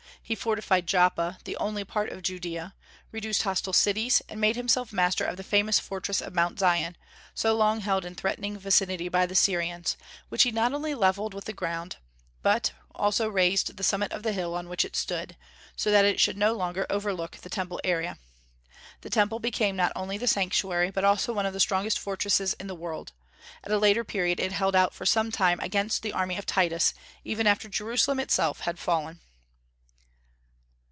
He fortified Joppa, the only port of Judaea, reduced hostile cities, and made himself master of the famous fortress of Mount Zion, so long held in threatening vicinity by the Syrians, which he not only levelled with the ground, but also razed the summit of the hill on which it stood, so that it should no longer overlook the Temple area. The Temple became not only the Sanctuary, but also one of the strongest fortresses in the world. At a later period it held out for some time against the army of Titus, even after Jerusalem itself had fallen.